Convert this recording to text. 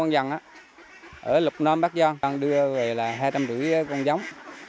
ông đã đưa về hai trăm năm mươi con vịt giống